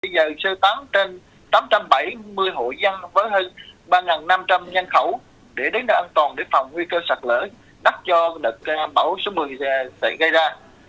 bây giờ sơ tán trên tám trăm bảy mươi hội dân với hơn ba năm trăm linh nhân khẩu để đến nơi an toàn để phòng nguy cơ sạt lỡ đắt cho đợt bão số một mươi sẽ gây ra